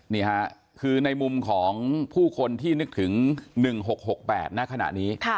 นี่ค่ะคือในมุมของผู้คนที่นึกถึง๑๖๖๘ณขณะนี้